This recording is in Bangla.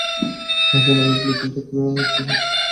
ভাইজান, আমি ব্লুপ্রিন্ট চেক করেই করছি এসব।